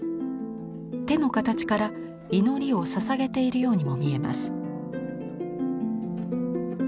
手の形から祈りをささげているようにも見えます。